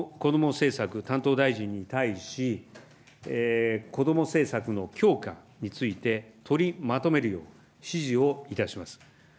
政策担当大臣に対し、子ども政策の強化について取りまとめるよう、指示をいたします。